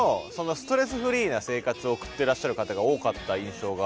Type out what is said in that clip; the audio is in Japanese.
フリーな生活を送ってらっしゃる方が多かった印象が。